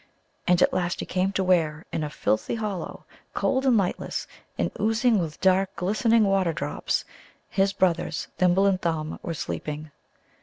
And at last he came to where, in a filthy hollow, cold and lightless, and oozing with dark glistening water drops, his brothers Thimble and Thumb were sleeping.